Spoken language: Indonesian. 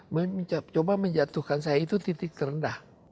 mencoba menjatuhkan saya itu titik terendah